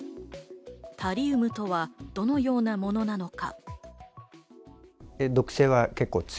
タリウムとは、どのようなものなのか？